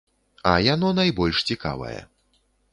А яно найбольш цікавае.